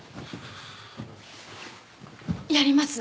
やります。